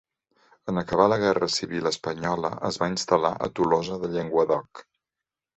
En acabar la Guerra Civil espanyola es va instal·lar a Tolosa de Llenguadoc.